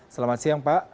selamat siang pak